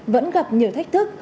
vẫn gặp nhiều thách thức